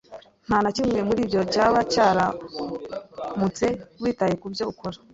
Nta na kimwe muri ibyo cyaba cyaramutse witaye kubyo ukora.